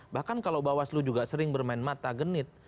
bahkan kalau bawaslu juga sering bermain mata genit